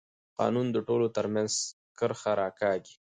قانون د ټولو ترمنځ کرښه راکاږي